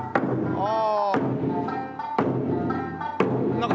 ああ。